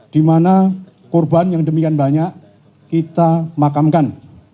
dimana korban yang demikian banyak kita makamkan